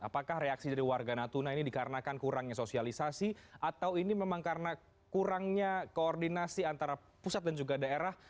apakah reaksi dari warga natuna ini dikarenakan kurangnya sosialisasi atau ini memang karena kurangnya koordinasi antara pusat dan juga daerah